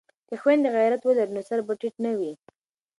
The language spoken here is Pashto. که خویندې غیرت ولري نو سر به ټیټ نه وي.